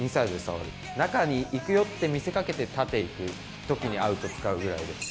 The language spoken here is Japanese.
中に行くよって見せかけて、縦行くときにアウト使うぐらいで。